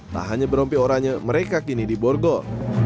tak hanya berompi oranya mereka kini di borgol